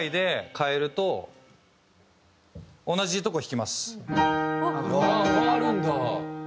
変わるんだ。